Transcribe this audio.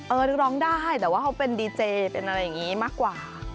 ร้องได้แต่ว่าเขาเป็นดีเจเป็นอะไรอย่างนี้มากกว่า